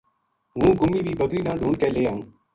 ہوں گُمی وی بکری نا ڈُھونڈ کے لے آؤں